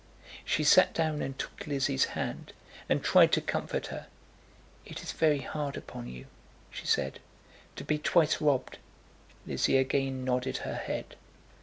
She sat down and took Lizzie's hand, and tried to comfort her. "It is very hard upon you," she said, "to be twice robbed." Lizzie again nodded her head.